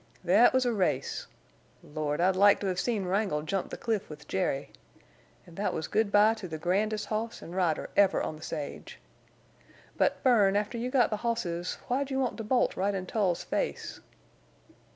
"Thet was a race! Lord, I'd like to hev seen Wrangle jump the cliff with Jerry. An' thet was good by to the grandest hoss an' rider ever on the sage!... But, Bern, after you got the hosses why'd you want to bolt right in Tull's face?"